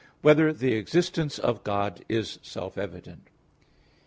1] Whether the Existence of God Is Self Evident?